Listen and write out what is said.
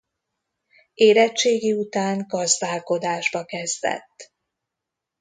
Érettségi után gazdálkodásba kezdett.